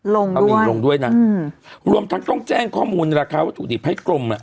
ลงบินลงด้วยนะอืมรวมทั้งต้องแจ้งข้อมูลราคาวัตถุดิบให้กรมอ่ะ